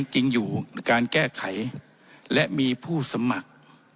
ผมบรสัตว์บรวมงามครับ